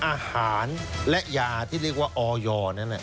อาหารและยาที่เรียกว่าออยนั้น